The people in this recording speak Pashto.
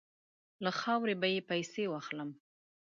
له خاورې به یې پسي واخلم.